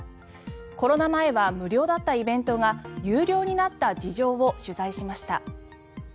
コロナ前は無料だったイベントが有料になった事情を取材しました。